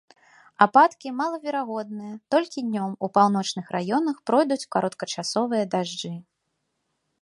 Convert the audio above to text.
Ападкі малаверагодныя, толькі днём у паўночных раёнах пройдуць кароткачасовыя дажджы.